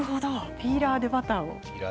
ピーラーで、バターを。